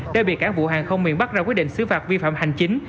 đã bị cảng vụ hàng không miền bắc ra quyết định xứ phạt vi phạm hành chính